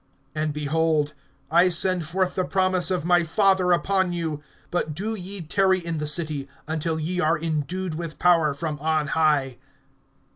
(49)And, behold, I send forth the promise of my Father upon you. But do ye tarry in the city, until ye are endued with power from on high.